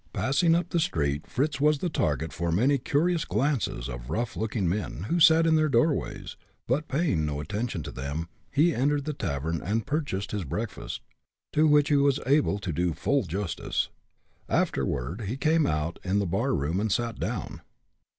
Passing up the street, Fritz was the target for many curious glances of rough looking men, who sat in their doorways, but, paying no attention to them, he entered the tavern and purchased his breakfast, to which he was able to do full justice. Afterward he came out in the bar room and sat down.